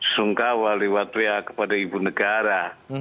sungkawa liwatwea kepada ibu negara